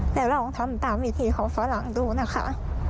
เดี๋ยวลองทำตามวิธีของฝรั่งดูนะคะ